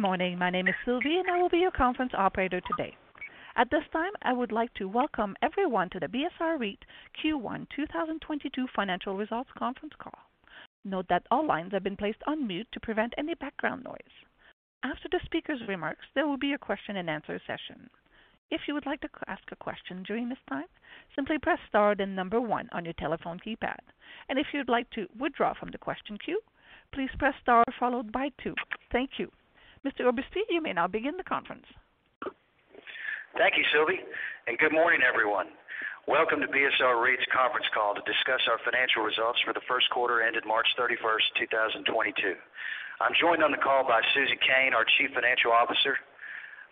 Good morning. My name is Sylvie, and I will be your conference operator today. At this time, I would like to welcome everyone to the BSR REIT Q1 2022 Financial Results Conference Call. Note that all lines have been placed on mute to prevent any background noise. After the speaker's remarks, there will be a question-and-answer session. If you would like to ask a question during this time, simply press star then number one on your telephone keypad. If you'd like to withdraw from the question queue, please press star followed by two. Thank you. Mr. Oberste, you may now begin the conference. Thank you, Sylvie, and good morning, everyone. Welcome to BSR REIT's conference call to discuss our financial results for the first quarter ended March 31st, 2022. I'm joined on the call by Susie Koehn, our Chief Financial Officer.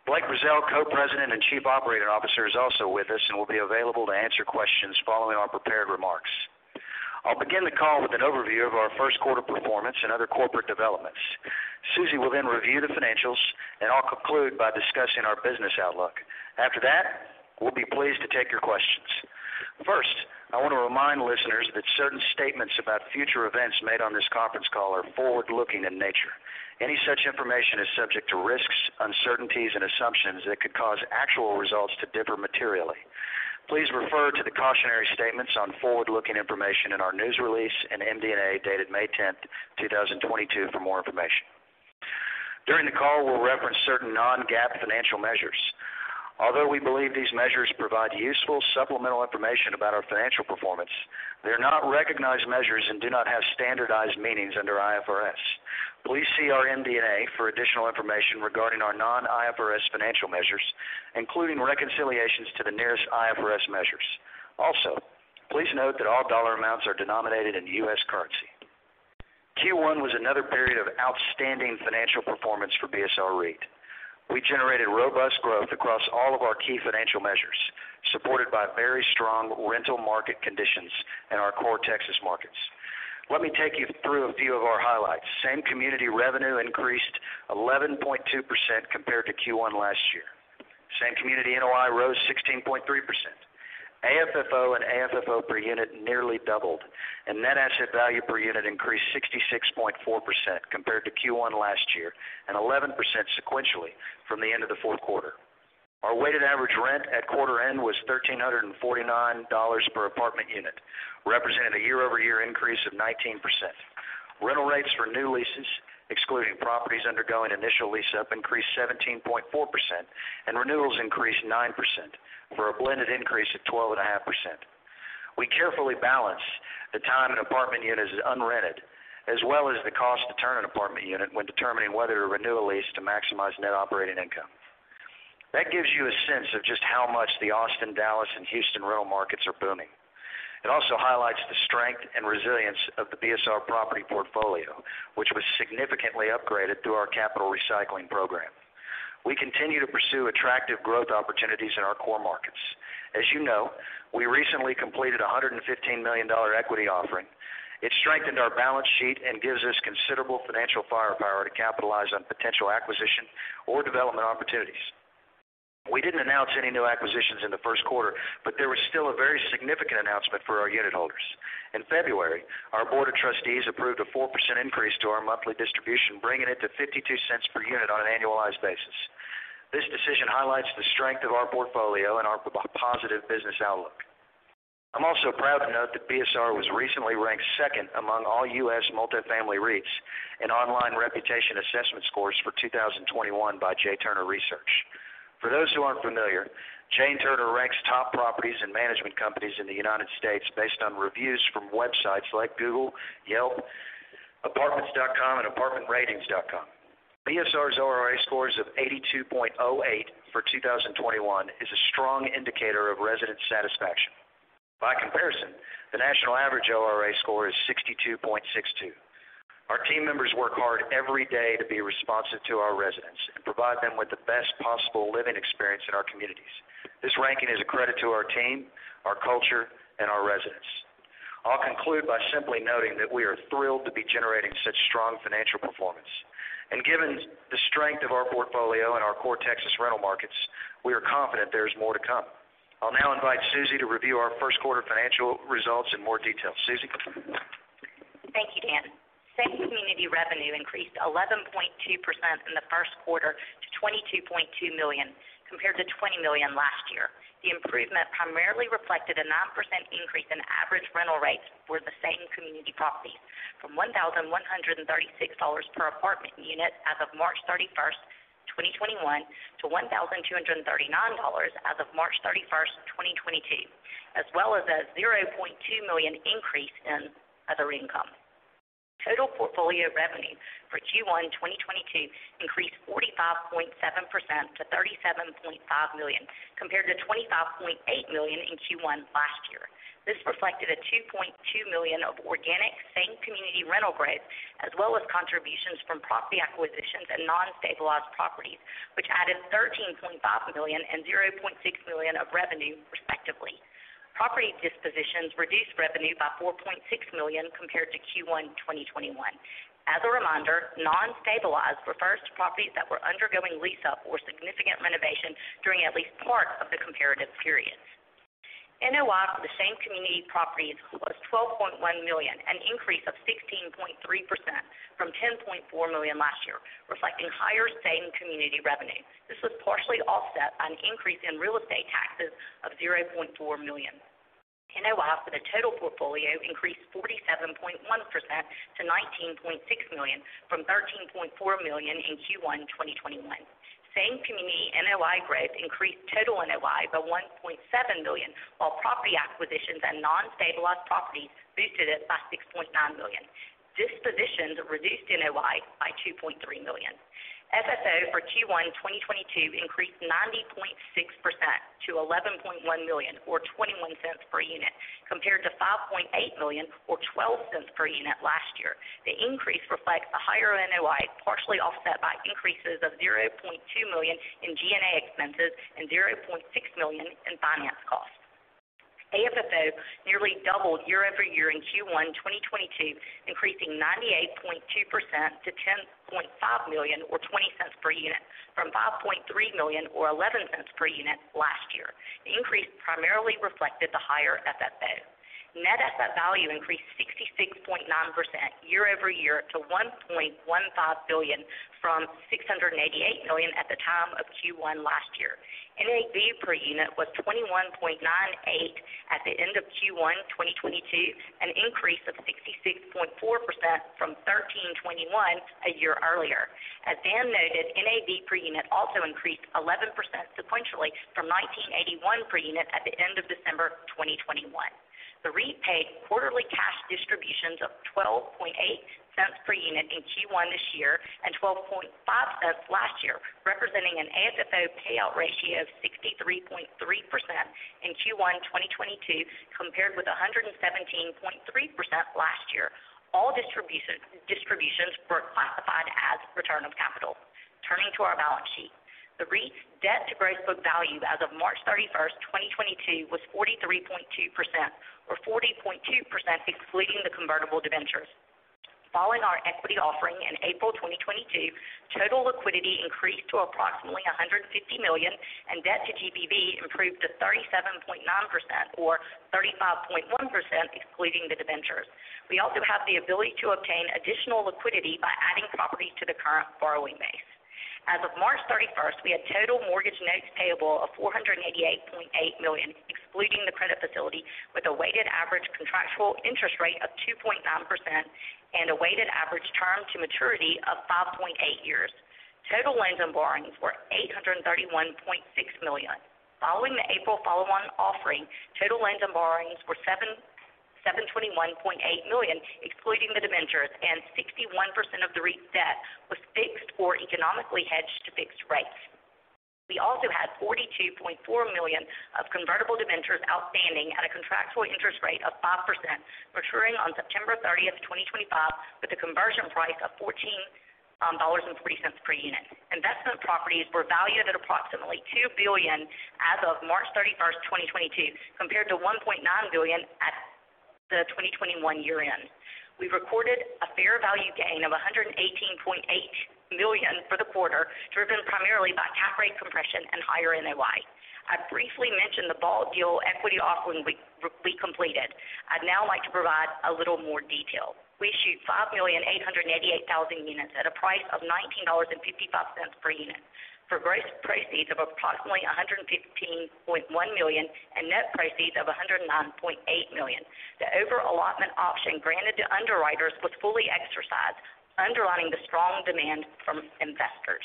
Blake Brazeal, Co-President and Chief Operating Officer, is also with us and will be available to answer questions following our prepared remarks. I'll begin the call with an overview of our first quarter performance and other corporate developments. Susie will then review the financials, and I'll conclude by discussing our business outlook. After that, we'll be pleased to take your questions. First, I want to remind listeners that certain statements about future events made on this conference call are forward-looking in nature. Any such information is subject to risks, uncertainties and assumptions that could cause actual results to differ materially. Please refer to the cautionary statements on forward-looking information in our news release and MD&A dated May 10th, 2022, for more information. During the call, we'll reference certain non-GAAP financial measures. Although we believe these measures provide useful supplemental information about our financial performance they are not recognized measures and do not have standardized meanings under IFRS. Please see our MD&A for additional information regarding our non-IFRS financial measures, including reconciliations to the nearest IFRS measures. Also, please note that all dollar amounts are denominated in U.S. currency. Q1 was another period of outstanding financial performance for BSR REIT. We generated robust growth across all of our key financial measures, supported by very strong rental market conditions in our core Texas markets. Let me take you through a few of our highlights. Same community revenue increased 11.2% compared to Q1 last year. Same community NOI rose 16.3%. AFFO and AFFO per unit nearly doubled, and net asset value per unit increased 66.4% compared to Q1 last year and 11% sequentially from the end of the fourth quarter. Our weighted average rent at quarter end was $1,349 per apartment unit, representing a year-over-year increase of 19%. Rental rates for new leases, excluding properties undergoing initial lease-up, increased 17.4%, and renewals increased 9% for a blended increase of 12.5%. We carefully balance the time an apartment unit is unrented, as well as the cost to turn an apartment unit when determining whether to renew a lease to maximize net operating income. That gives you a sense of just how much the Austin, Dallas, and Houston rental markets are booming. It also highlights the strength and resilience of the BSR property portfolio, which was significantly upgraded through our capital recycling program. We continue to pursue attractive growth opportunities in our core markets. As you know, we recently completed a $115 million equity offering. It strengthened our balance sheet and gives us considerable financial firepower to capitalize on potential acquisition or development opportunities. We didn't announce any new acquisitions in the first quarter, but there was still a very significant announcement for our unit holders. In February, our board of trustees approved a 4% increase to our monthly distribution, bringing it to $0.52 per unit on an annualized basis. This decision highlights the strength of our portfolio and our positive business outlook. I'm also proud to note that BSR was recently ranked second among all U.S. multifamily REITs in online reputation assessment scores for 2021 by J. Turner Research. For those who aren't familiar, J. Turner ranks top properties and management companies in the United States based on reviews from websites like Google, Yelp, Apartments.com, and ApartmentRatings.com. BSR's ORA scores of 82.08 for 2021 is a strong indicator of resident satisfaction. By comparison, the national average ORA score is 62.62. Our team members work hard every day to be responsive to our residents and provide them with the best possible living experience in our communities. This ranking is a credit to our team, our culture, and our residents. I'll conclude by simply noting that we are thrilled to be generating such strong financial performance. Given the strength of our portfolio in our core Texas rental markets, we are confident there is more to come. I'll now invite Susie to review our first quarter financial results in more detail. Susie? Thank you, Dan. Same community revenue increased 11.2% in the first quarter to $22.2 million, compared to $20 million last year. The improvement primarily reflected a 9% increase in average rental rates for the same community properties from $1,136 per apartment unit as of March 31st, 2021, to $1,239 as of March 31st, 2022, as well as a $0.2 million increase in other income. Total portfolio revenue for Q1 2022 increased 45.7% to $37.5 million, compared to $25.8 million in Q1 last year. This reflected a $2.2 million of organic same community rental growth, as well as contributions from property acquisitions and non-stabilized properties, which added $13.5 million and $0.6 million of revenue, respectively. Property dispositions reduced revenue by $4.6 million compared to Q1 2021. As a reminder, non-stabilized refers to properties that were undergoing lease-up or significant renovation during at least part of the comparative periods. NOI for the same-community properties was $12.1 million, an increase of 16.3% from $10.4 million last year, reflecting higher same-community revenue. This was partially offset by an increase in real estate taxes of $0.4 million. NOI for the total portfolio increased 47.1% to $19.6 million from $13.4 million in Q1 2021. Same-community NOI growth increased total NOI by $1.7 million, while property acquisitions and non-stabilized properties boosted it by $6.9 million. Dispositions reduced NOI by $2.3 million. FFO for Q1 2022 increased 90.6% to $11.1 million or $0.21 per unit compared to $5.8 million or $0.12 per unit last year. The increase reflects the higher NOI, partially offset by increases of $0.2 million in G&A expenses and $0.6 million in finance costs. AFFO nearly doubled year-over-year in Q1 2022, increasing 98.2% to $10.5 million or $0.20 per unit from $5.3 million or $0.11 per unit last year. The increase primarily reflected the higher FFO. Net asset value increased 66.9% year-over-year to $1.15 billion from $688 million at the time of Q1 last year. NAV per unit was 21.98 at the end of Q1 2022, an increase of 66.4% from 13.21 a year earlier. Dan noted, NAV per unit also increased 11% sequentially from 19.81 per unit at the end of December 2021. The REIT paid quarterly cash distributions of $0.128 per unit in Q1 this year and $0.125 last year, representing an AFFO payout ratio of 63.3% in Q1 2022 compared with 117.3% last year. All distributions were classified as return of capital. Turning to our balance sheet. The REIT's debt to gross book value as of March 31st, 2022 was 43.2% or 40.2% excluding the convertible debentures. Following our equity offering in April 2022, total liquidity increased to approximately $150 million, and debt to GBV improved to 37.9% or 35.1% excluding the debentures. We also have the ability to obtain additional liquidity by adding properties to the current borrowing base. As of March 31st, we had total mortgage notes payable of $488.8 million, excluding the credit facility, with a weighted average contractual interest rate of 2.9% and a weighted average term to maturity of 5.8 years. Total loans and borrowings were $831.6 million. Following the April follow-on offering, total loans and borrowings were $721.8 million, excluding the debentures, and 61% of the REIT's debt was fixed or economically hedged to fixed rates. We also had $42.4 million of convertible debentures outstanding at a contractual interest rate of 5%, maturing on September 30, 2022, with a conversion price of $14.03 per unit. Investment properties were valued at approximately $2 billion as of March 31st, 2022, compared to $1.9 billion at the 2021 year-end. We recorded a fair value gain of $118.8 million for the quarter, driven primarily by cap rate compression and higher NOI. I briefly mentioned the bought deal equity offering we completed. I'd now like to provide a little more detail. We issued 5,888,000 units at a price of $19.55 per unit for gross proceeds of approximately $115.1 million and net proceeds of $109.8 million. The over-allotment option granted to underwriters was fully exercised, underlining the strong demand from investors.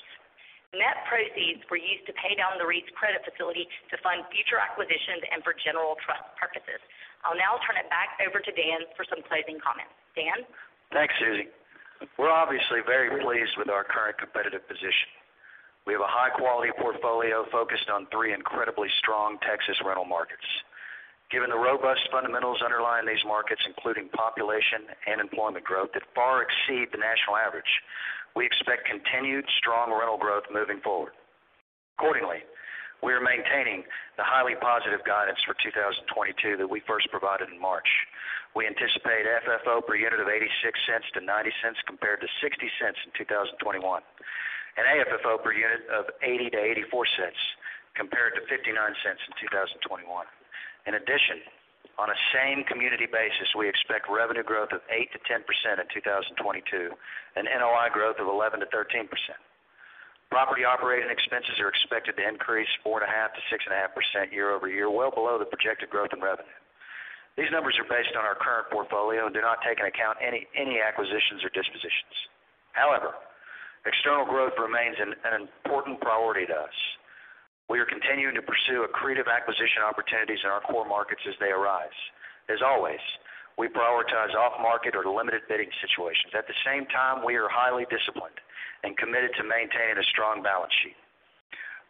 Net proceeds were used to pay down the REIT's credit facility to fund future acquisitions and for general trust purposes. I'll now turn it back over to Dan for some closing comments. Dan? Thanks, Susie. We're obviously very pleased with our current competitive position. We have a high-quality portfolio focused on three incredibly strong Texas rental markets. Given the robust fundamentals underlying these markets, including population and employment growth that far exceed the national average, we expect continued strong rental growth moving forward. Accordingly, we are maintaining the highly positive guidance for 2022 that we first provided in March. We anticipate FFO per unit of $0.86-$0.90 compared to $0.60 in 2021, and AFFO per unit of $0.80-$0.84 compared to $0.59 in 2021. In addition, on a same-community basis, we expect revenue growth of 8%-10% in 2022 and NOI growth of 11%-13%. Property operating expenses are expected to increase 4.5%-6.5% year-over-year, well below the projected growth in revenue.. These numbers are based on our current portfolio and do not take into account any acquisitions or dispositions. However, external growth remains an important priority to us. We are continuing to pursue accretive acquisition opportunities in our core markets as they arise. As always, we prioritize off-market or limited bidding situations. At the same time, we are highly disciplined and committed to maintaining a strong balance sheet.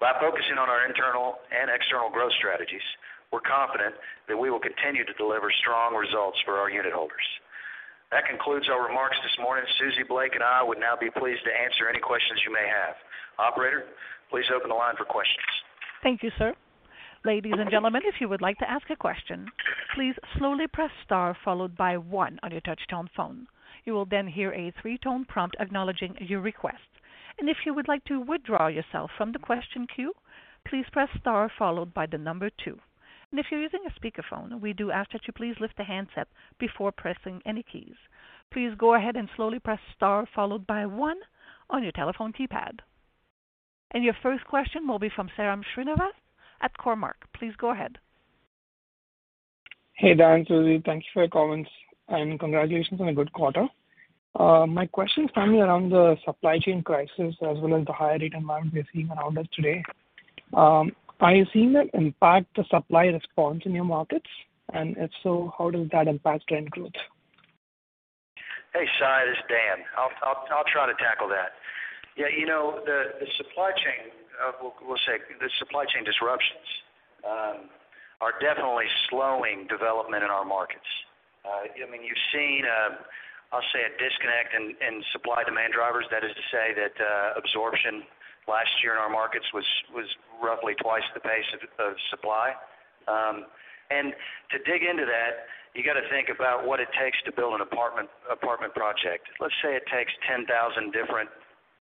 By focusing on our internal and external growth strategies, we're confident that we will continue to deliver strong results for our unit holders. That concludes our remarks this morning. Susie, Blake, and I would now be pleased to answer any questions you may have. Operator, please open the line for questions. Thank you, sir. Ladies and gentlemen, if you would like to ask a question Please slowly press star followed by one on your touchtone phone. You will then hear a three-tone prompt acknowledging your request. If you would like to withdraw yourself from the question queue, please press star followed by the number two. If you're using a speakerphone, we do ask that you please lift the handset before pressing any keys. Please go ahead and slowly press star followed by one on your telephone keypad. Your first question will be from Sairam Srinivas at Cormark. Please go ahead. Hey, Dan, Sairam. Thank you for your comments, and congratulations on a good quarter. My question is finally around the supply chain crisis as well as the higher renter demand we're seeing around us today. Are you seeing that impact the supply response in your markets? If so, how does that impact rent growth? Hey, Sar, this is Dan. I'll try to tackle that. Yeah, you know, the supply chain disruptions are definitely slowing development in our markets. I mean, you've seen, I'll say a disconnect in supply and demand drivers. That is to say that, absorption last year in our markets was roughly twice the pace of supply. To dig into that, you gotta think about what it takes to build an apartment project. Let's say it takes 10,000 different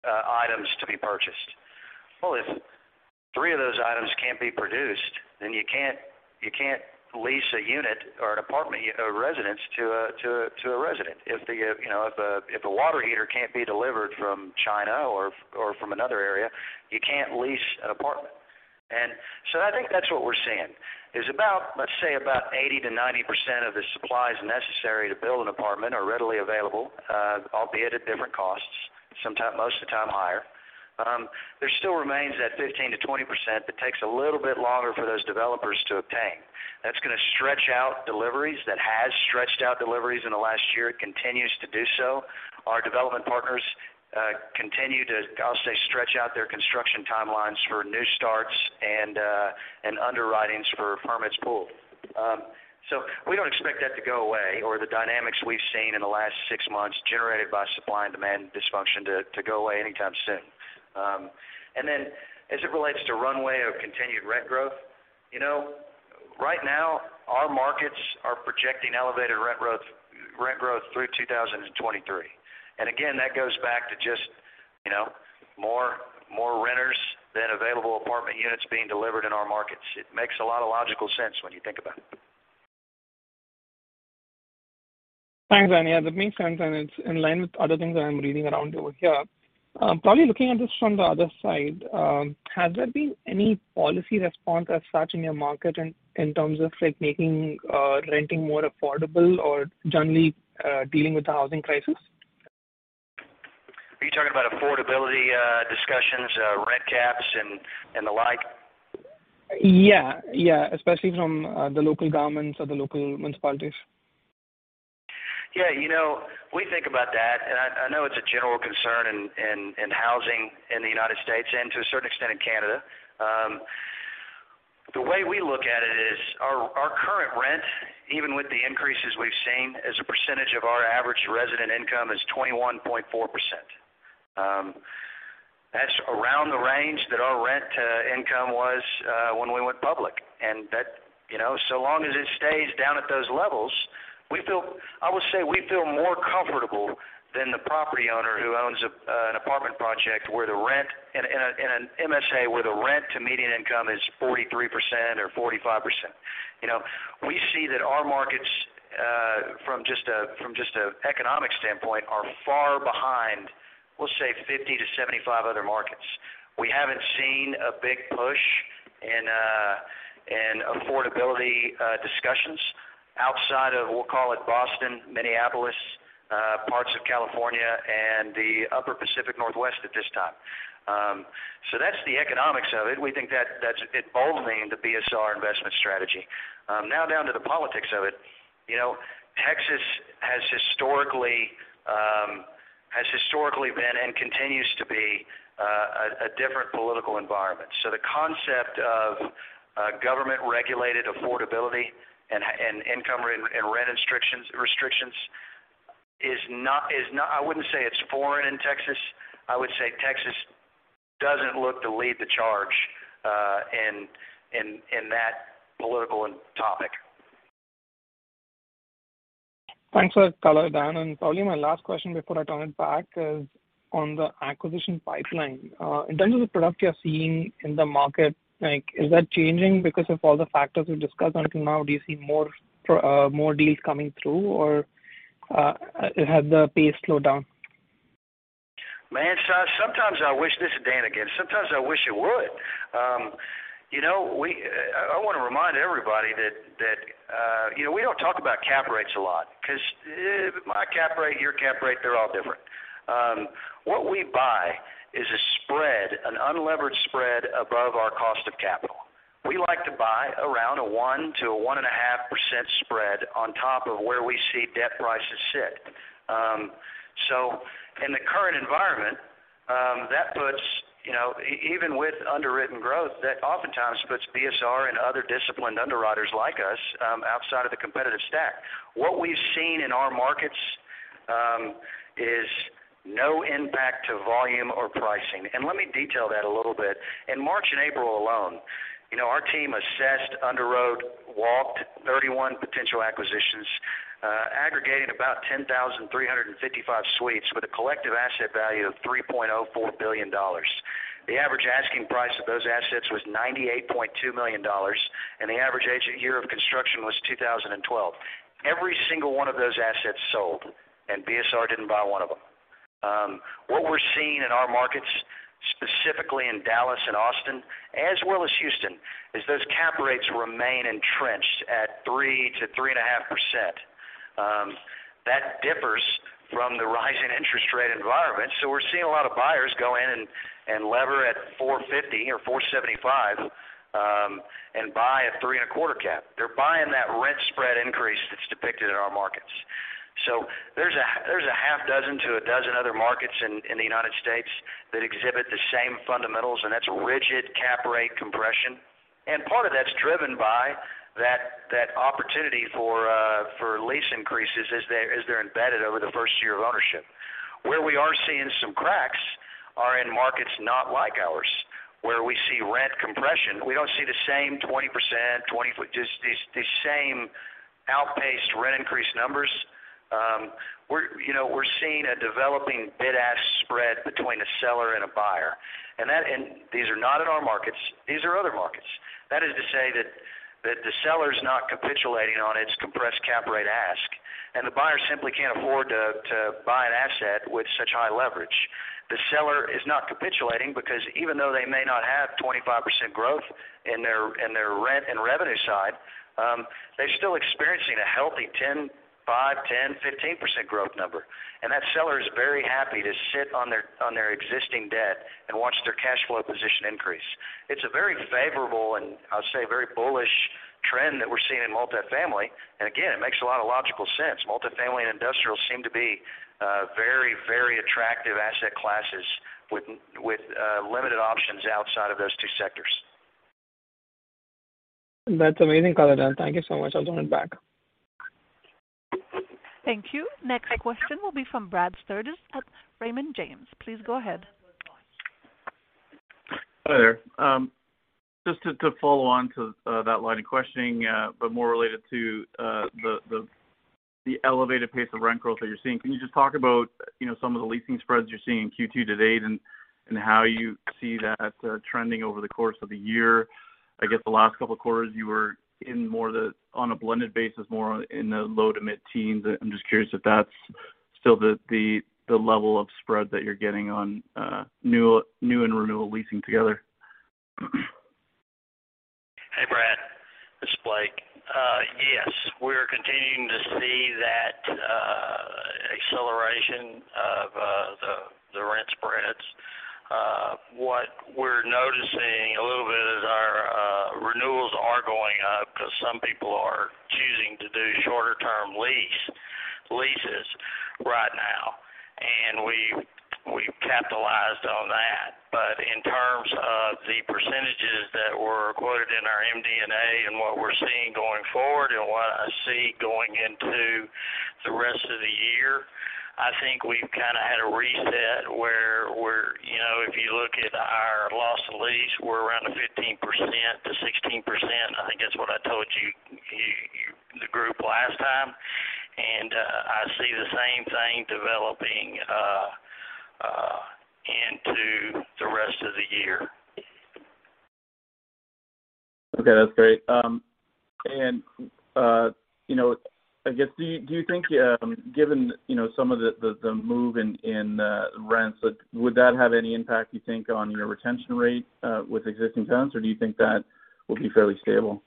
items to be purchased. Well, if three of those items can't be produced, then you can't lease a unit or an apartment, a residence to a resident. If a water heater can't be delivered from China or from another area, you can't lease an apartment. I think that's what we're seeing. There's about, let's say, 80%-90% of the supplies necessary to build an apartment are readily available, albeit at different costs, most of the time higher. There still remains that 15%-20% that takes a little bit longer for those developers to obtain. That's gonna stretch out deliveries. That has stretched out deliveries in the last year. It continues to do so. Our development partners continue to, I'll say, stretch out their construction timelines for new starts and underwritings for permits pulled. We don't expect that to go away or the dynamics we've seen in the last 6 months generated by supply and demand dysfunction to go away anytime soon. As it relates to runway of continued rent growth, you know, right now our markets are projecting elevated rent growth through 2023. That goes back to just, you know, more renters than available apartment units being delivered in our markets. It makes a lot of logical sense when you think about it. Thanks, Dan. Yeah, that makes sense, and it's in line with other things that I'm reading around over here. Probably looking at this from the other side, has there been any policy response as such in your market in terms of like making renting more affordable or generally dealing with the housing crisis? Are you talking about affordability, discussions, rent caps and the like? Yeah, yeah, especially from the local governments or the local municipalities. Yeah. You know, we think about that, and I know it's a general concern in housing in the United States and to a certain extent in Canada. The way we look at it is our current rent, even with the increases we've seen as a percentage of our average resident income is 21.4%. That's around the range that our rent income was when we went public. That, you know, so long as it stays down at those levels, I would say we feel more comfortable than the property owner who owns an apartment project where the rent in an MSA where the rent to median income is 43% or 45%. You know, we see that our markets, from just an economic standpoint, are far behind, we'll say 50-75 other markets. We haven't seen a big push in affordability discussions outside of, we'll call it Boston, Minneapolis, parts of California, and the upper Pacific Northwest at this time. That's the economics of it. We think that that it bodes well in the BSR investment strategy. Now down to the politics of it. You know, Texas has historically been and continues to be, a different political environment. The concept of government regulated affordability and housing and income-restricted rent restrictions is not. I wouldn't say it's foreign in Texas. I would say Texas doesn't look to lead the charge in that political topic. Thanks for that color, Dan. Probably my last question before I turn it back is on the acquisition pipeline. In terms of the product you're seeing in the market, like is that changing because of all the factors we've discussed until now? Do you see more deals coming through or has the pace slowed down? Man, Sar, sometimes I wish. This is Dan again. Sometimes I wish it would. You know, I wanna remind everybody that you know, we don't talk about cap rates a lot 'cause my cap rate, your cap rate, they're all different. What we buy is a spread, an unlevered spread above our cost of capital. We like to buy around a 1%-1.5% spread on top of where we see debt prices sit. So in the current environment, that puts you know, even with underwritten growth, that oftentimes puts BSR and other disciplined underwriters like us outside of the competitive stack. What we've seen in our markets is no impact to volume or pricing. Let me detail that a little bit. In March and April alone, you know, our team assessed, underwrote, walked 31 potential acquisitions, aggregating about 10,355 suites with a collective asset value of $3.04 billion. The average asking price of those assets was $98.2 million, and the average age of construction was 2012. Every single one of those assets sold, and BSR didn't buy one of them. What we're seeing in our markets, specifically in Dallas and Austin as well as Houston, is those cap rates remain entrenched at 3%-3.5%. That differs from the rising interest-rate environment. We're seeing a lot of buyers go in and lever at 4.50 or 4.75, and buy a 3.25 cap. They're buying that rent spread increase that's depicted in our markets. There's a half dozen to a dozen other markets in the United States that exhibit the same fundamentals, and that's rapid cap rate compression. Part of that's driven by that opportunity for lease increases as they're embedded over the first year of ownership. Where we are seeing some cracks are in markets not like ours, where we see rent compression. We don't see the same 20%. Just the same outpaced rent increase numbers. We're seeing a developing bid-ask spread between a seller and a buyer. These are not in our markets, these are other markets. That is to say that the seller's not capitulating on its compressed cap rate ask, and the buyer simply can't afford to buy an asset with such high leverage. The seller is not capitulating because even though they may not have 25% growth in their rent and revenue side, they're still experiencing a healthy 5%, 10%, 15% growth number. That seller is very happy to sit on their existing debt and watch their cash flow position increase. It's a very favorable, and I'll say a very bullish trend that we're seeing in multifamily. Again, it makes a lot of logical sense. Multifamily and industrial seem to be very, very attractive asset classes with limited options outside of those two sectors. That's amazing, Daniel. Thank you so much. I'll join back. Thank you. Next question will be from Brad Sturges at Raymond James. Please go ahead. Hi there. Just to follow on to that line of questioning, but more related to the elevated pace of rent growth that you're seeing. Can you just talk about, you know, some of the leasing spreads you're seeing in Q2 to date and how you see that trending over the course of the year? I guess the last couple of quarters, you were on a blended basis more in the low to mid-teens. I'm just curious if that's still the level of spread that you're getting on new and renewal leasing together. Hey, Brad. This is Blake. Yes, we're continuing to see that acceleration of the rent spreads. What we're noticing a little bit is our renewals are going up because some people are choosing to do shorter term leases right now, and we've capitalized on that. In terms of the percentages that were quoted in our MD&A and what we're seeing going forward and what I see going into the rest of the year, I think we've kinda had a reset where we're, you know, if you look at our loss to lease, we're around 15%-16%. I think that's what I told you the group last time. I see the same thing developing into the rest of the year. Okay, that's great. You know, I guess, do you think, given you know, some of the move in rents, would that have any impact, you think, on your retention rate with existing tenants, or do you think that will be fairly stable?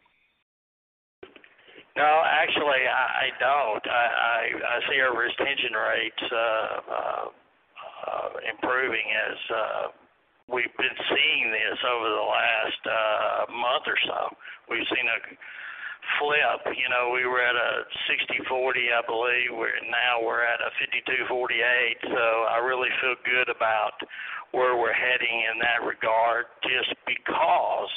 No, actually, I don't. I see our retention rates improving as we've been seeing this over the last month or so. We've seen a flip. You know, we were at a 60/40, I believe. Now we're at a 52/48, so I really feel good about where we're heading in that regard just because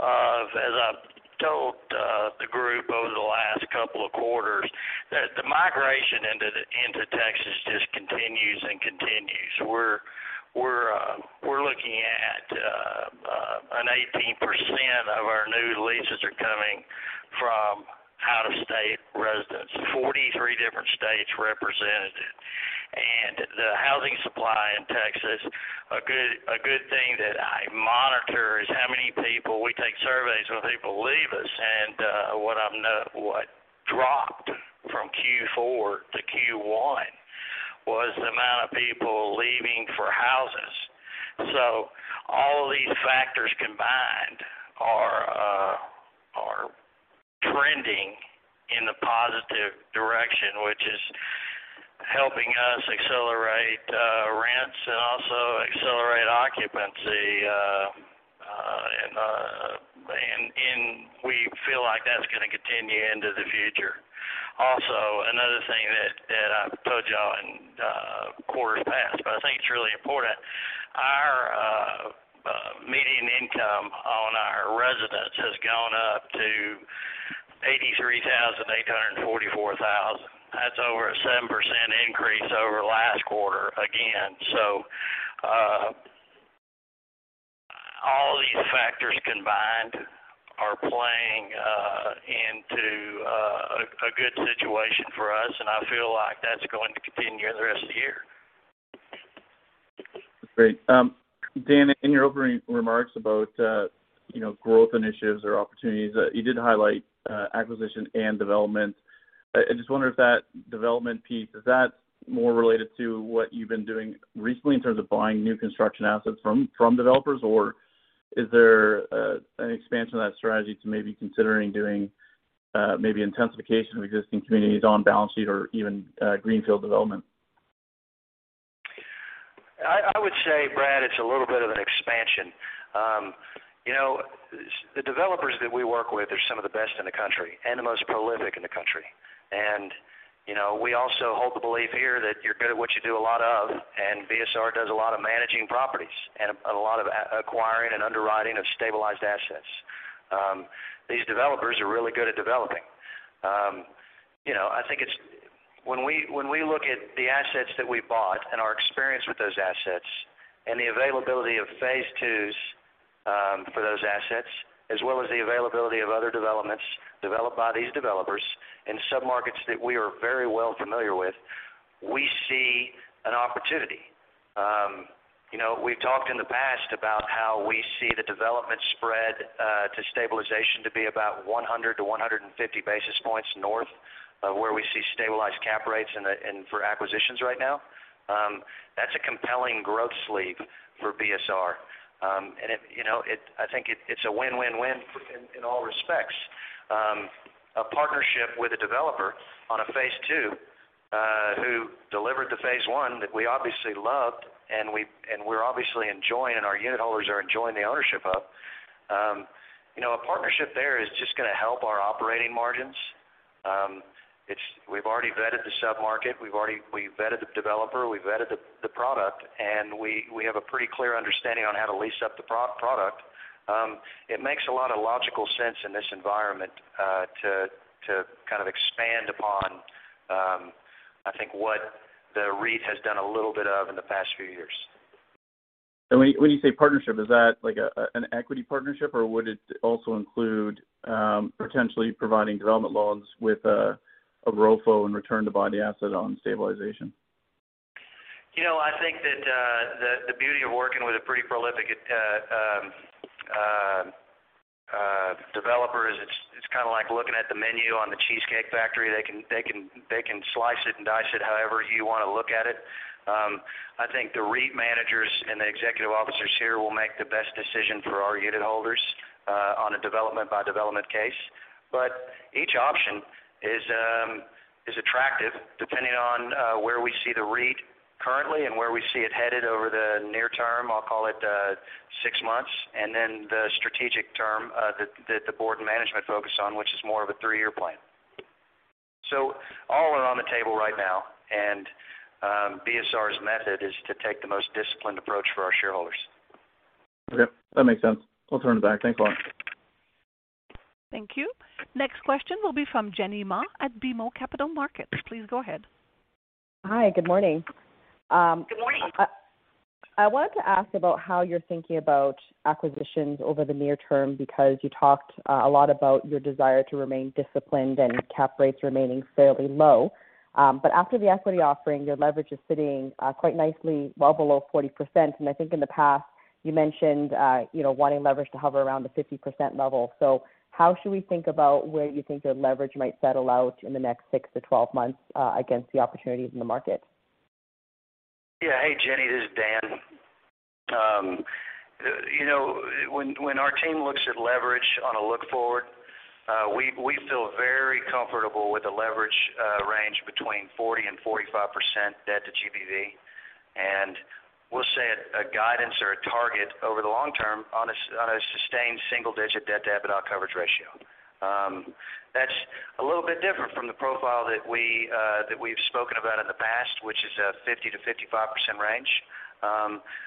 of, as I've told the group over the last couple of quarters, that the migration into Texas just continues and continues. We're looking at an 18% of our new leases are coming from out of state residents. 43 different states represented. The housing supply in Texas, a good thing that I monitor is how many people we take surveys when people leave us. What dropped from Q4 to Q1 was the amount of people leaving for houses. All of these factors combined are trending in the positive direction, which is helping us accelerate rents and also accelerate occupancy, and we feel like that's gonna continue into the future. Also, another thing that I've told y'all in past quarters has gone up to 83,844. That's over a 7% increase over last quarter again. All these factors combined are playing into a good situation for us, and I feel like that's going to continue the rest of the year. Great. Dan, in your opening remarks about, you know, growth initiatives or opportunities, you did highlight acquisition and development. I just wonder if that development piece is that more related to what you've been doing recently in terms of buying new construction assets from developers? Is there an expansion of that strategy to maybe considering doing maybe intensification of existing communities on balance sheet or even greenfield development? I would say, Brad, it's a little bit of an expansion. You know, the developers that we work with are some of the best in the country and the most prolific in the country. You know, we also hold the belief here that you're good at what you do a lot of, and BSR does a lot of managing properties and a lot of acquiring and underwriting of stabilized assets. These developers are really good at developing. You know, I think it's when we look at the assets that we bought and our experience with those assets and the availability of phase II, for those assets, as well as the availability of other developments developed by these developers in sub-markets that we are very well familiar with, we see an opportunity. You know, we've talked in the past about how we see the development spread to stabilization to be about 100-150 basis points north of where we see stabilized cap rates in for acquisitions right now. That's a compelling growth sleeve for BSR. You know, I think it's a win-win-win in all respects. A partnership with a developer on a phase II who delivered the phase I that we obviously loved and we're obviously enjoying, and our unit holders are enjoying the ownership of, you know, a partnership there is just gonna help our operating margins. We've already vetted the submarket. We've vetted the developer. We've vetted the product, and we have a pretty clear understanding on how to lease up the product. It makes a lot of logical sense in this environment to kind of expand upon, I think, what the REIT has done a little bit of in the past few years. When you say partnership, is that, like, an equity partnership, or would it also include potentially providing development loans with a ROFO in return to buy the asset on stabilization? You know, I think that the beauty of working with a pretty prolific developer is it's kind of like looking at the menu on the Cheesecake Factory. They can slice it and dice it however you wanna look at it. I think the REIT managers and the executive officers here will make the best decision for our unit holders on a development by development case. Each option is attractive depending on where we see the REIT currently and where we see it headed over the near term, I'll call it 6 months, and then the strategic term that the board and management focus on, which is more of a 3-year plan. All are on the table right now, and BSR's method is to take the most disciplined approach for our shareholders. Okay. That makes sense. We'll turn it back. Thanks a lot. Thank you. Next question will be from Jenny Ma at BMO Capital Markets. Please go ahead. Hi. Good morning. Good morning. I wanted to ask about how you're thinking about acquisitions over the near term, because you talked a lot about your desire to remain disciplined and cap rates remaining fairly low. After the equity offering, your leverage is sitting quite nicely well below 40%. I think in the past, you mentioned you know, wanting leverage to hover around the 50% level. How should we think about where you think your leverage might settle out in the next 6-12 months against the opportunities in the market? Yeah. Hey, Jenny, this is Dan. You know, when our team looks at leverage on a look-forward, we feel very comfortable with the leverage range between 40% and 45% debt to GBV. We'll set a guidance or a target over the long term on a sustained single-digit debt-to-EBITDA coverage ratio. That's a little bit different from the profile that we've spoken about in the past, which is a 50%-55% range.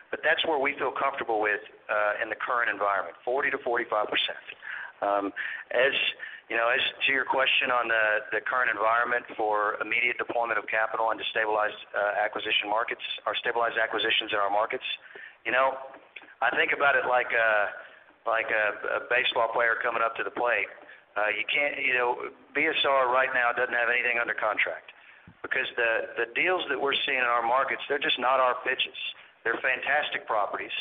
But that's where we feel comfortable with in the current environment, 40%-45%. As you know, as to your question on the current environment for immediate deployment of capital into stabilized acquisition markets or stabilized acquisitions in our markets, you know, I think about it like a baseball player coming up to the plate. You know, BSR right now doesn't have anything under contract because the deals that we're seeing in our markets, they're just not our pitches. They're fantastic properties.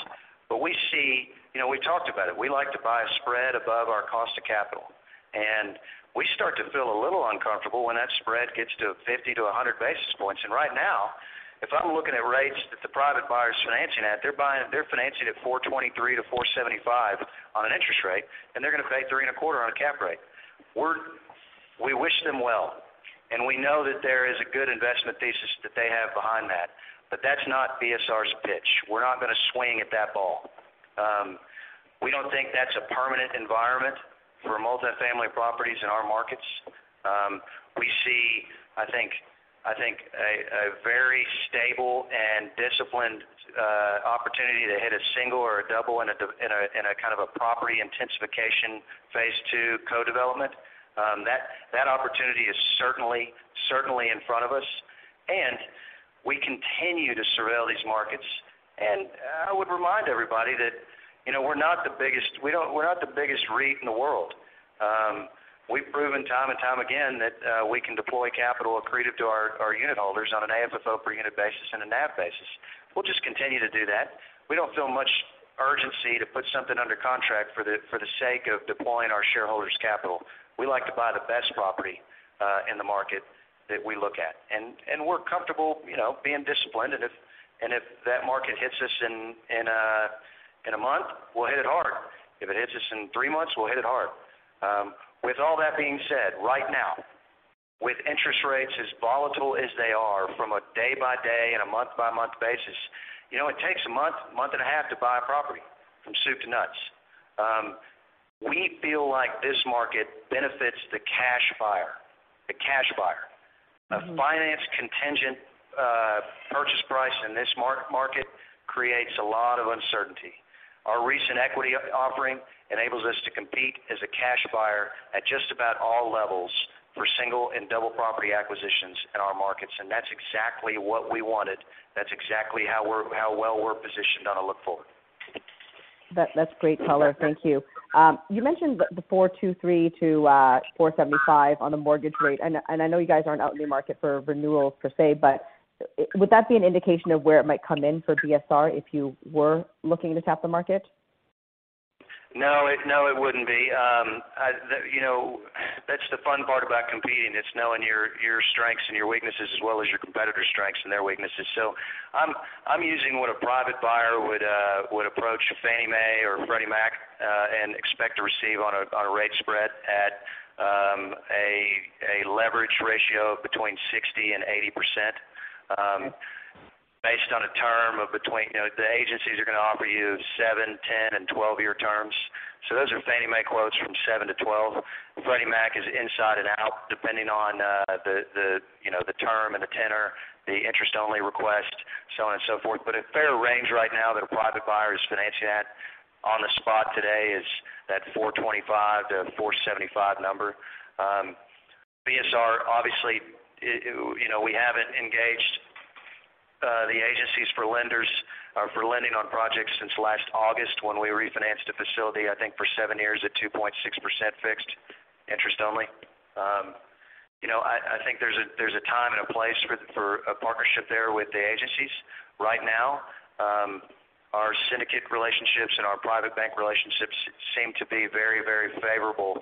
But we see. You know, we talked about it. We like to buy a spread above our cost of capital, and we start to feel a little uncomfortable when that spread gets to a 50 to a 100 basis points. And right now, if I'm looking at rates that the private buyer's financing at, they're buying. They're financing at 4.23%-4.75% on an interest rate, and they're gonna pay 3.25% on a cap rate. We wish them well, and we know that there is a good investment thesis that they have behind that. But that's not BSR's pitch. We're not gonna swing at that ball. We don't think that's a permanent environment for multi-family properties in our markets. We see, I think a very stable and disciplined opportunity to hit a single or a double in a kind of a property intensification phase II co-development. That opportunity is certainly in front of us, and we continue to surveil these markets. I would remind everybody that, you know, we're not the biggest REIT in the world. We've proven time and time again that we can deploy capital accretive to our unitholders on an AFFO per unit basis and a NAV basis. We'll just continue to do that. We don't feel much urgency to put something under contract for the sake of deploying our shareholders' capital. We like to buy the best property in the market that we look at. We're comfortable, you know, being disciplined. If that market hits us in a month, we'll hit it hard. If it hits us in 3 months, we'll hit it hard. With all that being said, right now, with interest rates as volatile as they are from a day-by-day and a month-by-month basis, you know, it takes a month and a half to buy a property from soup to nuts. We feel like this market benefits the cash buyer. Mm-hmm. A finance contingent purchase price in this market creates a lot of uncertainty. Our recent equity offering enables us to compete as a cash buyer at just about all levels for single and double property acquisitions in our markets, and that's exactly what we wanted. That's exactly how well we're positioned on a go-forward. That's great color. Thank you. You mentioned the 4.23%-4.75% on the mortgage rate. I know you guys aren't out in the market for renewals per se, but would that be an indication of where it might come in for BSR if you were looking to tap the market? No, it wouldn't be. You know, that's the fun part about competing. It's knowing your strengths and your weaknesses as well as your competitors' strengths and their weaknesses. I'm using what a private buyer would approach Fannie Mae or Freddie Mac and expect to receive on a rate spread at a leverage ratio between 60%-80%, based on a term of between. You know, the agencies are gonna offer you 7-, 10-, and 12-year terms. Those are Fannie Mae quotes from 7-12. Freddie Mac is inside and out, depending on the term and the tenor, the interest-only request, so on and so forth. A fair range right now that a private buyer is financing at on the spot today is that 4.25%-4.75% number. BSR, obviously, it, you know, we haven't engaged the agencies for lenders for lending on projects since last August when we refinanced a facility, I think, for seven years at 2.6% fixed interest only. You know, I think there's a time and a place for a partnership there with the agencies. Right now, our syndicate relationships and our private bank relationships seem to be very, very favorable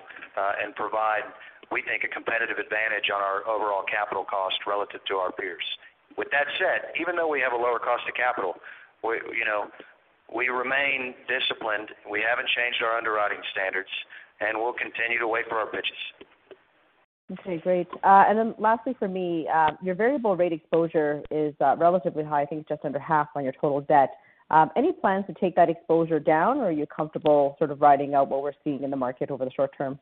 and provide, we think, a competitive advantage on our overall capital cost relative to our peers. With that said, even though we have a lower cost of capital, you know, we remain disciplined. We haven't changed our underwriting standards, and we'll continue to wait for our pitches. Okay, great. Lastly from me, your variable rate exposure is relatively high, I think just under half on your total debt. Any plans to take that exposure down, or are you comfortable sort of riding out what we're seeing in the market over the short term?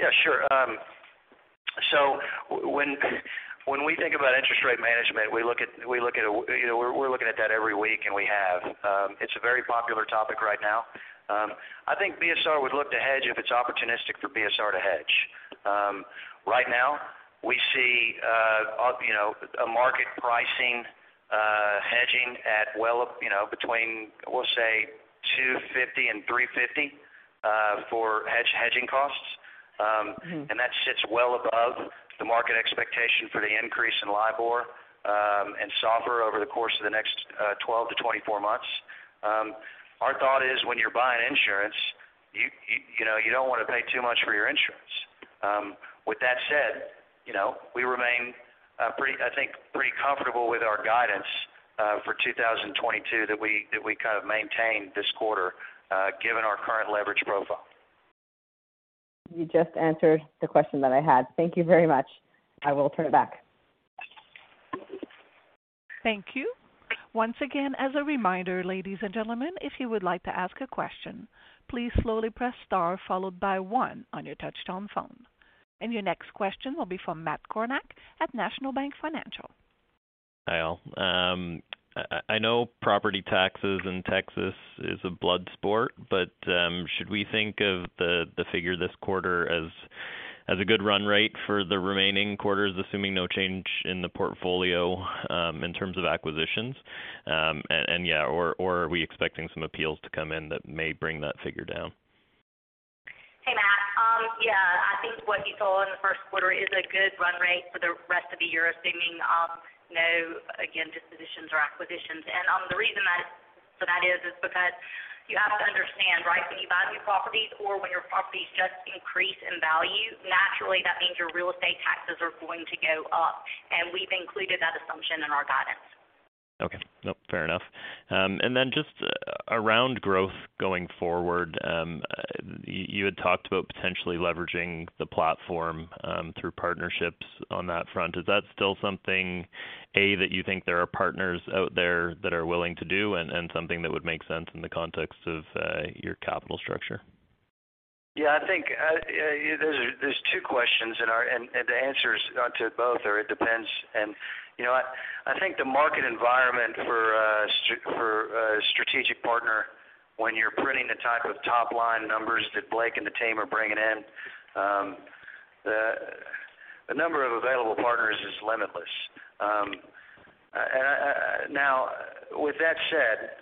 Yeah, sure. So when we think about interest rate management, we look at you know, we're looking at that every week, and we have. It's a very popular topic right now. I think BSR would look to hedge if it's opportunistic for BSR to hedge. Right now, we see you know, a market pricing hedging at, well, you know, between, we'll say, 250 and 350 for hedging costs. Mm-hmm. That sits well above the market expectation for the increase in LIBOR and SOFR over the course of the next 12-24 months. Our thought is when you're buying insurance, you know, you don't wanna pay too much for your insurance. With that said, you know, we remain pretty, I think, pretty comfortable with our guidance for 2022 that we kind of maintained this quarter, given our current leverage profile. You just answered the question that I had. Thank you very much. I will turn it back. Thank you. Once again, as a reminder, ladies and gentlemen, if you would like to ask a question, please slowly press star followed by one on your touchtone phone. Your next question will be from Matt Kornack at National Bank Financial. Hi, all. I know property taxes in Texas is a blood sport, but should we think of the figure this quarter as a good run rate for the remaining quarters, assuming no change in the portfolio in terms of acquisitions? And yeah, or are we expecting some appeals to come in that may bring that figure down? Hey, Matt. Yeah, I think what you saw in the first quarter is a good run rate for the rest of the year, assuming no, again, dispositions or acquisitions. The reason for that is because you have to understand, right, when you buy new properties or when your properties just increase in value, naturally that means your real estate taxes are going to go up, and we've included that assumption in our guidance. Okay. Nope, fair enough. Just around growth going forward, you had talked about potentially leveraging the platform through partnerships on that front. Is that still something that you think there are partners out there that are willing to do and something that would make sense in the context of your capital structure? Yeah, I think there's two questions in our. The answers to both are it depends. You know what? I think the market environment for a strategic partner when you're printing the type of top line numbers that Blake and the team are bringing in, the number of available partners is limitless. Now, with that said,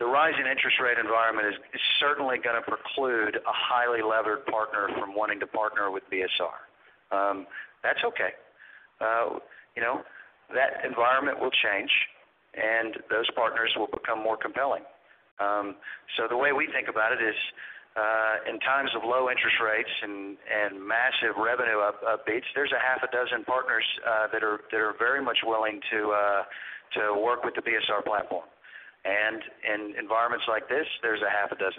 the rise in interest rate environment is certainly gonna preclude a highly levered partner from wanting to partner with BSR. That's okay. You know, that environment will change, and those partners will become more compelling. The way we think about it is, in times of low interest rates and massive revenue upheavals, there's 6 partners that are very much willing to work with the BSR platform. In environments like this, there's 6.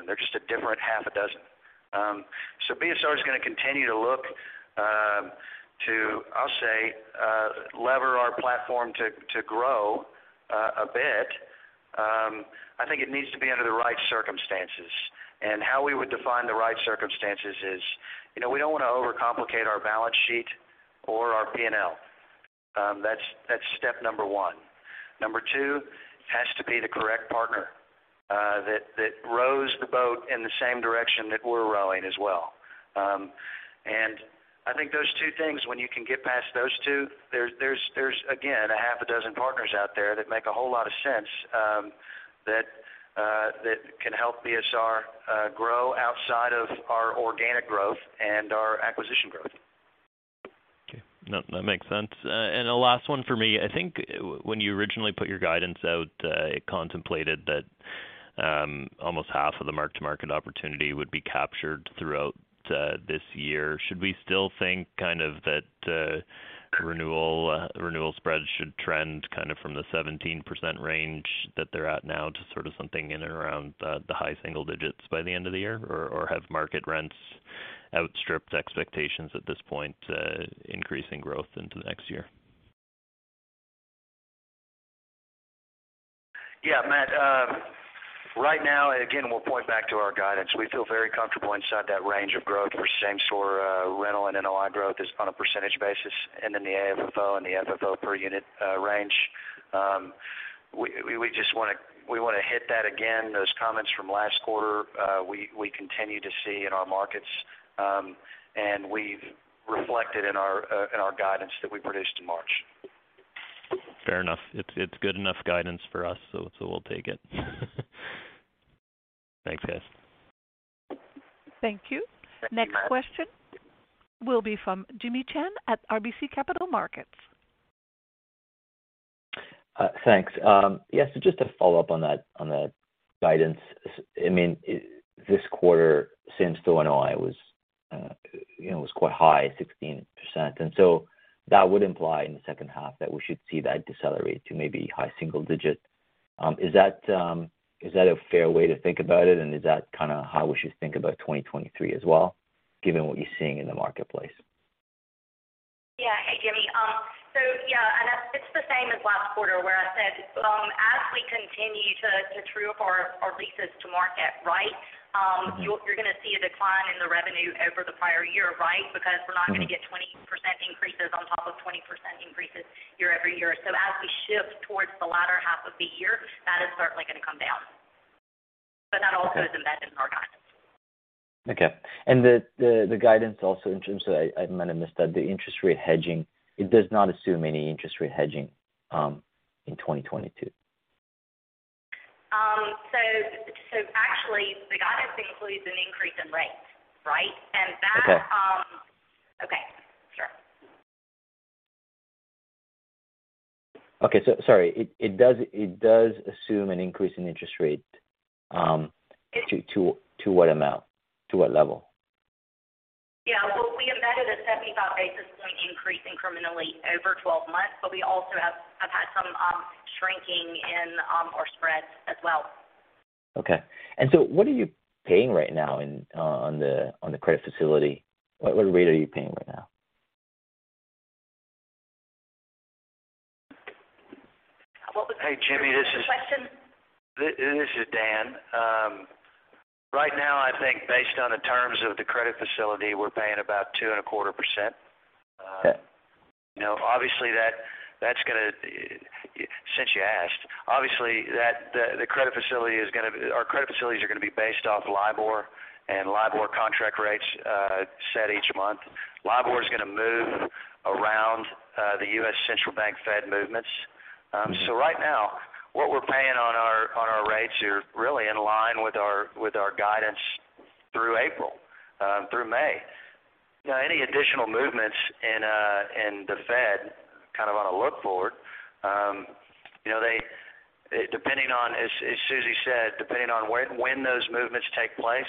They're just a different 6. BSR is gonna continue to look to, I'll say, leverage our platform to grow a bit. I think it needs to be under the right circumstances. How we would define the right circumstances is, you know, we don't wanna overcomplicate our balance sheet or our P&L. That's step 1. 2, it has to be the correct partner that rows the boat in the same direction that we're rowing as well. I think those two things, when you can get past those two there's again a half a dozen partners out there that make a whole lot of sense, that can help BSR grow outside of our organic growth and our acquisition growth. Okay. No, that makes sense. A last one for me. I think when you originally put your guidance out, it contemplated that almost half of the mark-to-market opportunity would be captured throughout this year. Should we still think kind of that renewal spread should trend kind of from the 17% range that they're at now to sort of something in and around the high single digits by the end of the year? Or have market rents outstripped expectations at this point, increasing growth into the next year? Yeah. Matt, right now, again, we'll point back to our guidance. We feel very comfortable inside that range of growth for same store rental and NOI growth on a percentage basis and then the AFFO and the FFO per unit range. We just wanna hit that again. Those comments from last quarter, we continue to see in our markets, and we've reflected in our guidance that we produced in March. Fair enough. It's good enough guidance for us, so we'll take it. Thanks, guys. Thank you. Thank you. Next question will be from Jimmy Shan at RBC Capital Markets. Thanks. Yes, just to follow up on that, on the guidance. I mean, this quarter, same store NOI was, you know, quite high, 16%. That would imply in the second half that we should see that decelerate to maybe high single digit. Is that a fair way to think about it? Is that kinda how we should think about 2023 as well, given what you're seeing in the marketplace? Yeah. Hey, Jimmy. Yeah. That's, it's the same as last quarter where I said, as we continue to true up our leases to market, right? You're gonna see a decline in the revenue over the prior year, right? Because we're not gonna get 20% increases on top of 20% increases year-over-year. As we shift towards the latter half of the year, that is certainly gonna come down. Okay. That also is embedded in our guidance. Okay. The guidance also in terms of, I might have missed that the interest rate hedging, it does not assume any interest rate hedging in 2022. Actually the guidance includes an increase in rates, right? That, Okay. Okay. Sure. Okay. Sorry. It does assume an increase in interest rate. To what amount? To what level? Yeah. Well, we embedded a 75 basis point increase incrementally over 12 months, but we also have had some shrinking in our spreads as well. Okay. What are you paying right now on the credit facility? What rate are you paying right now? What was the. Hey, Jimmy. This is Dan. Right now, I think based on the terms of the credit facility, we're paying about 2.25%. Okay. Since you asked, obviously the credit facility is gonna—our credit facilities are gonna be based off LIBOR, and LIBOR contract rates, set each month. LIBOR is gonna move around the U.S. Central Bank Fed movements. So right now what we're paying on our rates are really in line with our guidance through April through May. You know, any additional movements in the Fed kind of looking forward, you know, they. Depending on, as Susie said, depending on when those movements take place,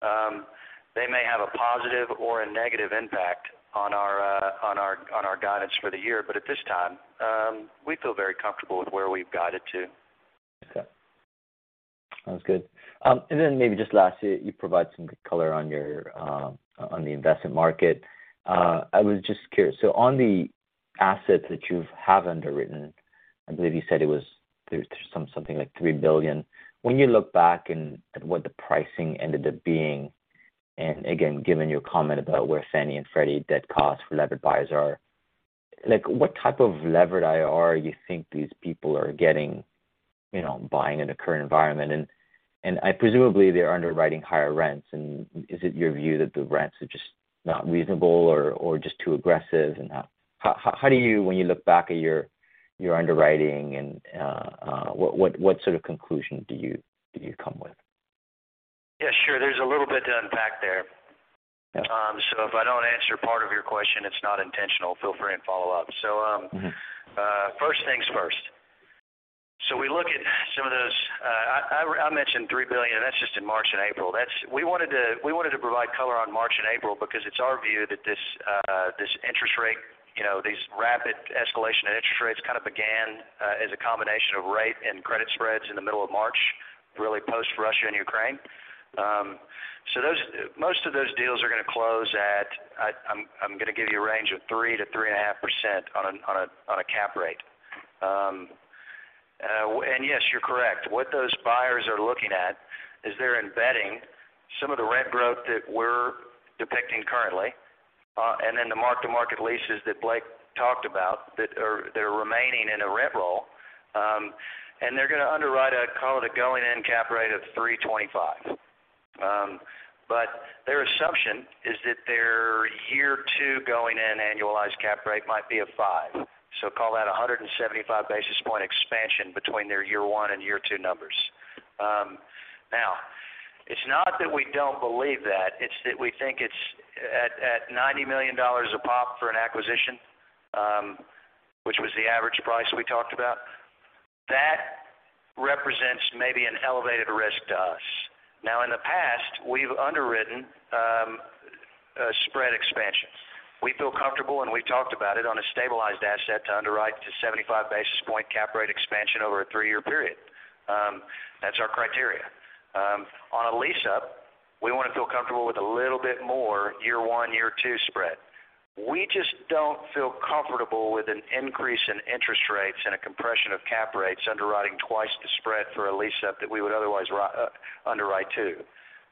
they may have a positive or a negative impact on our guidance for the year. But at this time, we feel very comfortable with where we've guided to. Okay. Sounds good. Then maybe just lastly, you provide some good color on your on the investment market. I was just curious, so on the assets that you've underwritten, I believe you said it was through something like $3 billion. When you look back at what the pricing ended up being, and again, given your comment about where Fannie and Freddie debt costs for levered buyers are, like, what type of levered IRR you think these people are getting, you know, buying in the current environment? And I presume they're underwriting higher rents. Is it your view that the rents are just not reasonable or just too aggressive? And how do you. When you look back at your underwriting and what sort of conclusion do you come with? Yeah, sure. There's a little bit to unpack there. Yeah. If I don't answer part of your question, it's not intentional, feel free and follow up. Mm-hmm. First things first. We look at some of those. I mentioned $3 billion, and that's just in March and April. We wanted to provide color on March and April because it's our view that this interest rate, you know, these rapid escalation in interest rates kind of began as a combination of rate and credit spreads in the middle of March, really post-Russia and Ukraine. Most of those deals are gonna close at. I'm gonna give you a range of 3%-3.5% on a cap rate. Yes, you're correct. What those buyers are looking at is they're embedding some of the rent growth that we're depicting currently, and then the mark-to-market leases that Blake talked about that are they're remaining in a rent roll. They're gonna underwrite, I'd call it, a going-in cap rate of 3.25. Their assumption is that their year two going-in annualized cap rate might be a 5. Call that a 175 basis point expansion between their year 1 and year 2 numbers. Now, it's not that we don't believe that, it's that we think it's at ninety million dollars a pop for an acquisition, which was the average price we talked about. That represents maybe an elevated risk to us. Now, in the past, we've underwritten a spread expansion. We feel comfortable, and we've talked about it, on a stabilized asset to underwrite to 75 basis point cap rate expansion over a 3-year period. That's our criteria. On a lease up, we wanna feel comfortable with a little bit more year 1, year 2 spread. We just don't feel comfortable with an increase in interest rates and a compression of cap rates underwriting twice the spread for a lease up that we would otherwise underwrite to.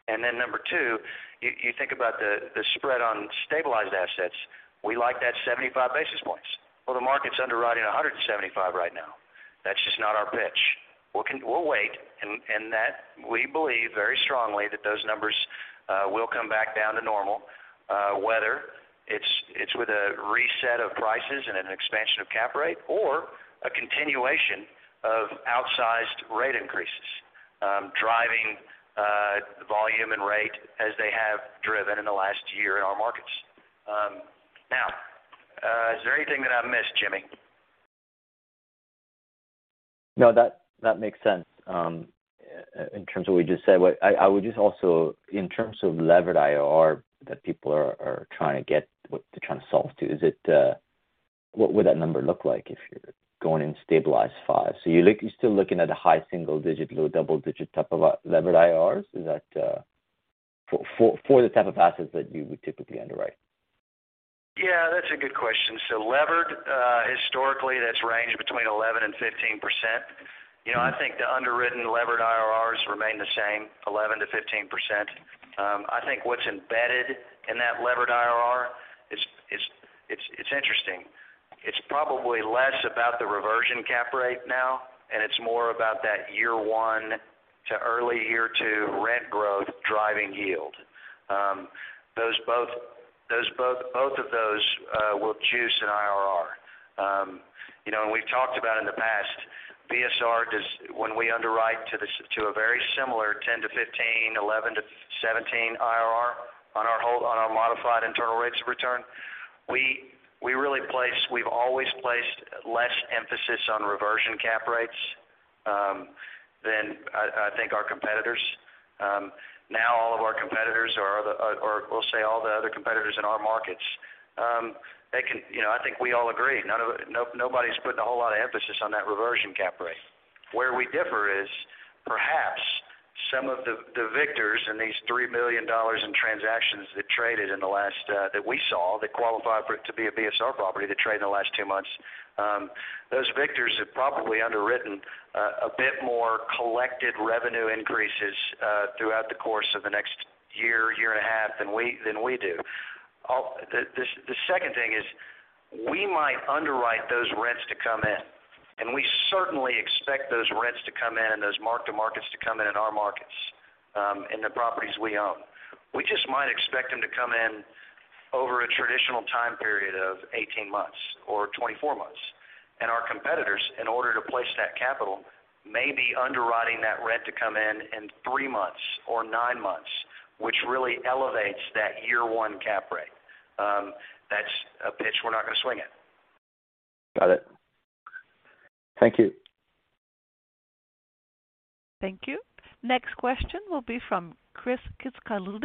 Number two, you think about the spread on stabilized assets. We like that 75 basis points. Well, the market's underwriting 175 right now. That's just not our pitch. We'll wait, and that we believe very strongly that those numbers will come back down to normal, whether it's with a reset of prices and an expansion of cap rate or a continuation of outsized rate increases, driving the volume and rate as they have driven in the last year in our markets. Now, is there anything that I missed, Jimmy? No, that makes sense in terms of what you just said. What I would just also, in terms of levered IRR that people are trying to get, what they're trying to solve for, is it. What would that number look like if you're going in stabilized 5? So you're still looking at a high single digit, low double digit type of levered IRRs? Is that for the type of assets that you would typically underwrite. That's a good question. Levered, historically, that's ranged between 11%-15%. I think the underwritten levered IRRs remain the same, 11%-15%. I think what's embedded in that levered IRR is, it's interesting. It's probably less about the reversion cap rate now, and it's more about that year one to early year 2 rent growth driving yield. Both of those will juice an IRR. You know, we've talked about in the past, BSR does. When we underwrite to a very similar 10%-15%, 11%-17% IRR on our hold, on our modified internal rates of return, we really place, we've always placed less emphasis on reversion cap rates, than I think our competitors. Now all of our competitors, or we'll say all the other competitors in our markets. You know, I think we all agree. Nobody's putting a whole lot of emphasis on that reversion cap rate. Where we differ is perhaps some of the victors in these $3 million transactions that traded in the last 2 months that we saw that qualify for it to be a BSR property. Those victors have probably underwritten a bit more collected revenue increases throughout the course of the next year and a half than we do. The second thing is, we might underwrite those rents to come in, and we certainly expect those rents to come in and those mark-to-markets to come in in our markets, in the properties we own. We just might expect them to come in over a traditional time period of 18 months or 24 months. Our competitors, in order to place that capital, may be underwriting that rent to come in in 3 months or 9 months, which really elevates that year one cap rate. That's a pitch we're not gonna swing at. Got it. Thank you. Thank you. Next question will be from Mark Rothschild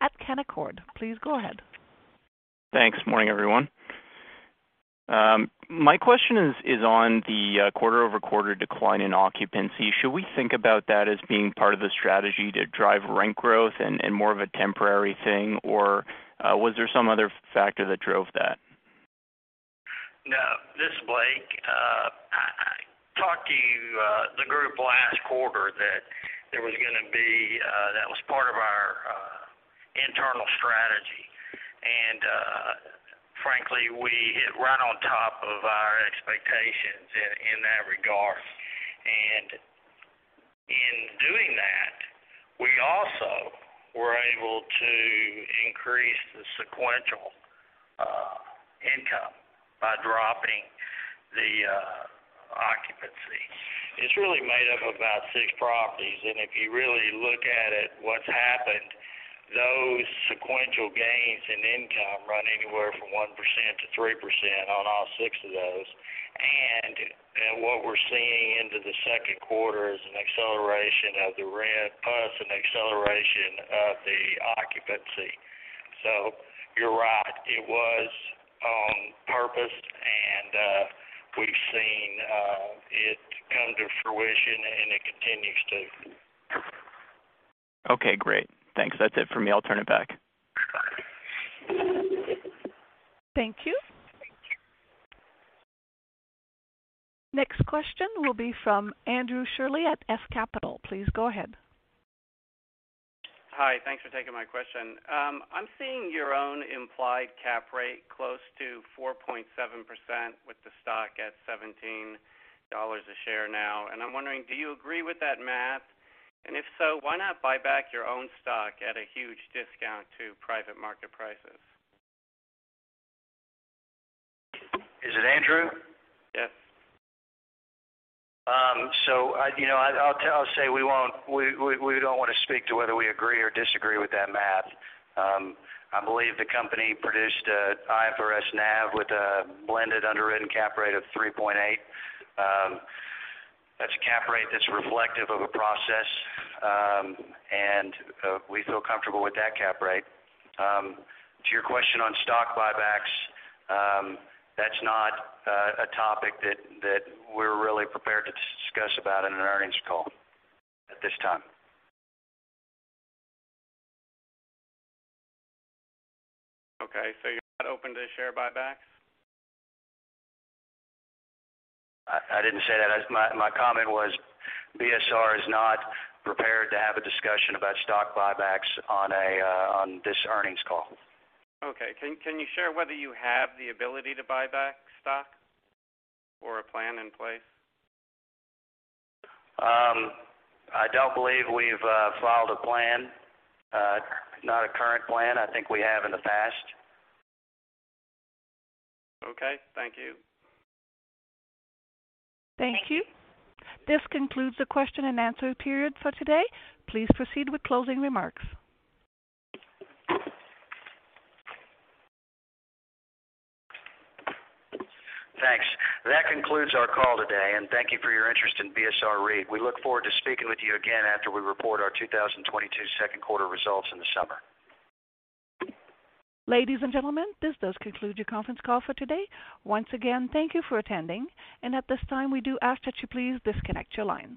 at Canaccord Genuity. Please go ahead. Thanks. Morning, everyone. My question is on the quarter-over-quarter decline in occupancy. Should we think about that as being part of the strategy to drive rent growth and more of a temporary thing? Or was there some other factor that drove that? Quarter that there was gonna be, that was part of our internal strategy. Frankly, we hit right on top of our expectations in that regard. In doing that, we also were able to increase the sequential income by dropping the occupancy. It's really made up of about six properties. If you really look at it, what's happened, those sequential gains in income run anywhere from 1%-3% on all six of those. What we're seeing into the second quarter is an acceleration of the rent plus an acceleration of the occupancy. You're right, it was on purpose, and we've seen it come to fruition, and it continues to. Okay, great. Thanks. That's it for me. I'll turn it back. Thank you. Next question will be from Himanshu Gupta at S Capital. Please go ahead. Hi. Thanks for taking my question. I'm seeing your own implied cap rate close to 4.7% with the stock at $17 a share now. I'm wondering, do you agree with that math? If so, why not buy back your own stock at a huge discount to private market prices? Is it Andrew? Yes. You know, we don't wanna speak to whether we agree or disagree with that math. I believe the company produced an IFRS NAV with a blended underwritten cap rate of 3.8%. That's a cap rate that's reflective of a process, and we feel comfortable with that cap rate. To your question on stock buybacks, that's not a topic that we're really prepared to discuss about in an earnings call at this time. Okay. You're not open to share buybacks? I didn't say that. My comment was BSR is not prepared to have a discussion about stock buybacks on this earnings call Okay. Can you share whether you have the ability to buy back stock or a plan in place? I don't believe we've filed a plan, not a current plan. I think we have in the past. Okay. Thank you. Thank you. This concludes the question and answer period for today. Please proceed with closing remarks. Thanks. That concludes our call today, and thank you for your interest in BSR REIT. We look forward to speaking with you again after we report our 2022 second quarter results in the summer. Ladies and gentlemen, this does conclude your conference call for today. Once again, thank you for attending, and at this time, we do ask that you please disconnect your lines.